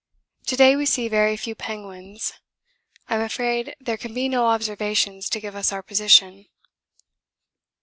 To day we see very few penguins. I'm afraid there can be no observations to give us our position.